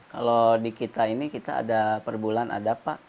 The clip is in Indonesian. kalau di kita ini kita ada per bulan ada pak